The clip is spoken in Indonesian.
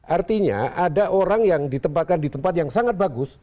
artinya ada orang yang ditempatkan di tempat yang sangat bagus